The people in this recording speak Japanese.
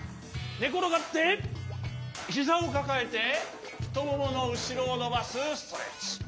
ねころがってひざをかかえてふともものうしろをのばすストレッチ。